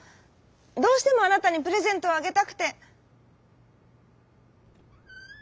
どうしてもあなたにプレゼントをあげたくて」。